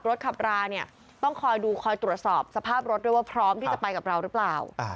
ขับราเนี่ยต้องคอยดูคอยตรวจสอบสภาพรถด้วยว่าพร้อมที่จะไปกับเราหรือเปล่า